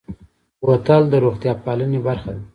بوتل د روغتیا پالنې برخه ده.